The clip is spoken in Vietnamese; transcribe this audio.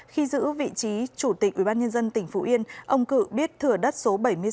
khi giữ vị trí chủ tịch ủy ban nhân dân tỉnh phú yên ông cự biết thửa đất số bảy mươi sáu